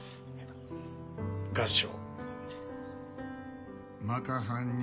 合掌。